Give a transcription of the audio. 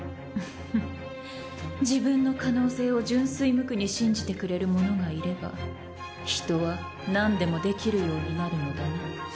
ウフフ自分の可能性を純粋無垢に信じてくれる者がいれば人は何でもできるようになるのだな。